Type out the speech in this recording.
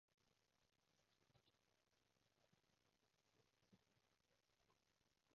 最尾推佢落地拖走嗰下咪同三年前嘅香港一樣